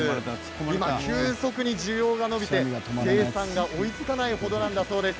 今、急速に需要が伸びていて生産が追いつかない程なんだそうです。